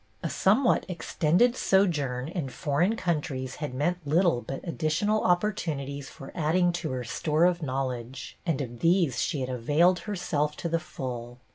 A somewhat extended sojourn in HER COMMENCEMENT 269 foreign countries had meant little but addi tional opportunities for adding to her store of knowledge, and of these she had availed herself to the full.